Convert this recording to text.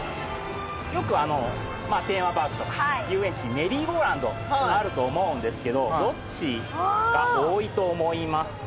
よくテーマパークとか遊園地にメリーゴーラウンドあると思うんですけどどっちが多いと思いますか？